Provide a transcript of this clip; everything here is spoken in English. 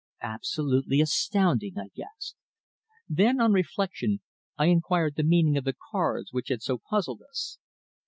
"Absolutely astounding!" I gasped. Then, on reflection, I inquired the meaning of the cards which had so puzzled us.